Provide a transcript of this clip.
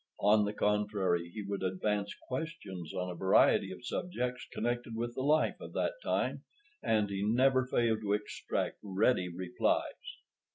On the contrary, he would advance questions on a variety of subjects connected with the life of that time, and he never failed to extract ready replies.